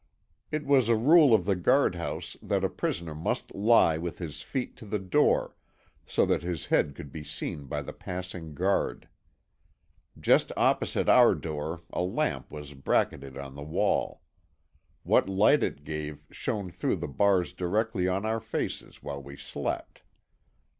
It was a rule of the guardhouse that a prisoner must lie with his feet to the door, so that his head could be seen by the passing guard. Just opposite our door a lamp was bracketed on the wall. What light it gave shone through the bars directly on our faces while we slept.